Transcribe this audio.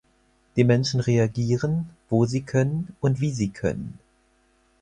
Die Menschen reagieren, wo sie können und wie sie können.